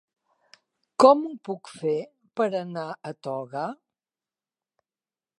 Com ho puc fer per anar a Toga?